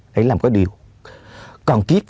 để làm cái điều còn kiếp